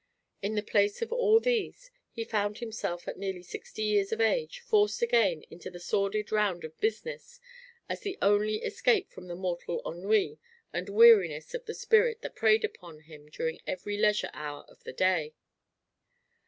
In the place of all these he found himself, at nearly sixty years of age, forced again into the sordid round of business as the only escape from the mortal ennui and weariness of the spirit that preyed upon him during every leisure hour of the day.